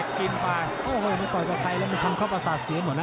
โอ้โหมันต่อยกับใครแล้วมันท้ำความปรอสาทเสียหมดนะ